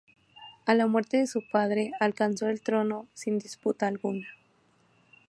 A la muerte de su padre, alcanzó el trono sin disputa alguna.